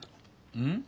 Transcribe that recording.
うん？